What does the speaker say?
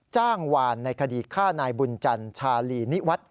จ้างวานในคดีฆ่านายบุญจันชาลีนิวัตร